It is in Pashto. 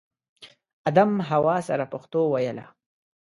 ادم حوا سره پښتو ویله